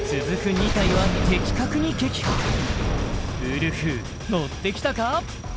２体は的確に撃破ウルフのってきたか？